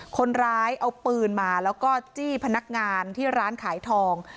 คนร้ายเอาปืนมาแล้วก็จี้พนักงานที่ร้านขายทอง